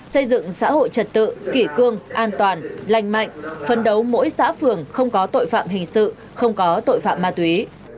xây dựng xã hội trật tự kỷ cương an toàn lành mạnh phân đấu mỗi xã phường không có tội phạm hình sự không có tội phạm ma túy